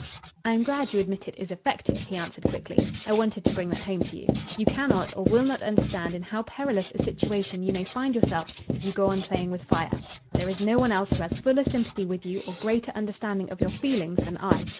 "I am glad you admit it is effective," he answered quickly. "I wanted to bring that home to you. You cannot or will not understand in how perilous a situation you may find yourself if you go on playing with fire. There is no one else who has fuller sympathy with you or greater understanding of your feelings than I.